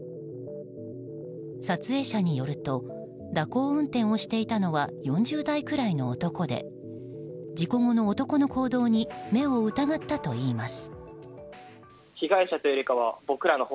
撮影者によると蛇行運転をしていたのは４０代くらいの男で事故後の男の行動に目を疑ったといいます。